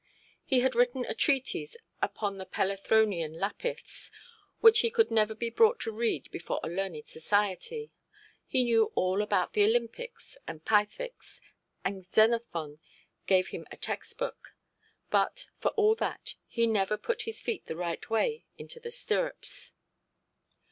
He had written a treatise upon the Pelethronian Lapiths (which he could never be brought to read before a learned society), he knew all about the Olympics and Pythics, and Xenophon gave him a text–book; but, for all that, he never put his feet the right way into the stirrups.